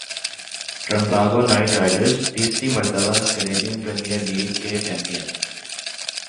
Trinbago Knight riders تیسری مرتبہ Caribbean premier league کی چیمپیئن